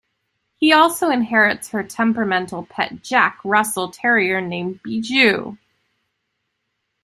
He also inherits her temperamental pet Jack Russell terrier named Bijoux.